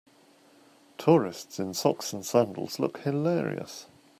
Tourists in socks and sandals look hilarious.